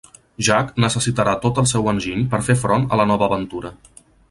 Jack necessitarà tot el seu enginy per fer front a la nova aventura.